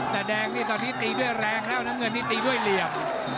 แต่แดงนี่ตอนนี้ตีด้วยแรงแล้วน้ำเงินนี่ตีด้วยเหลี่ยม